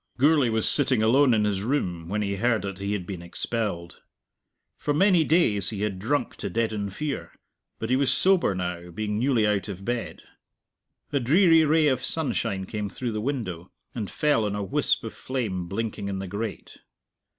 Gourlay was sitting alone in his room when he heard that he had been expelled. For many days he had drunk to deaden fear, but he was sober now, being newly out of bed. A dreary ray of sunshine came through the window, and fell on a wisp of flame blinking in the grate.